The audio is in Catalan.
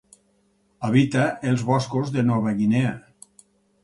Habita els boscos de Nova Guinea.